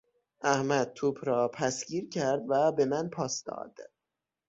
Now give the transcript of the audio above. احمد توپ را پسگیر کرد و به من پاس داد.